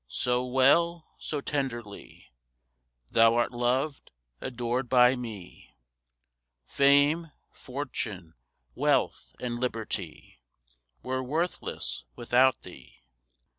so well, so tenderly Thou'rt loved, adored by me, Fame, fortune, wealth, and liberty, Were worthless without thee.